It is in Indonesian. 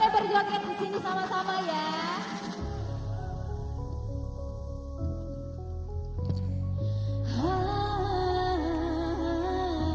boleh berjoget di sini sama sama ya